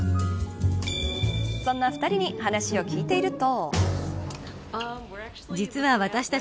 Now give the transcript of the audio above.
そんな２人に話を聞いていると。